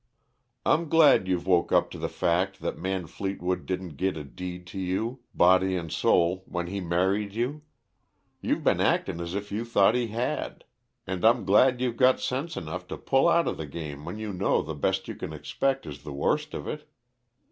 "I'm glad you've woke up to the fact that Man Fleetwood didn't git a deed to you, body and soul, when he married you; you've been actin' as if you thought he had. And I'm glad you've got sense enough to pull outa the game when you know the best you can expect is the worst of it.